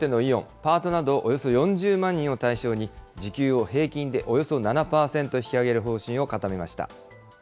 パートなどおよそ４０万人を対象に、時給を平均でおよそ７％引き上げる方針を固めました。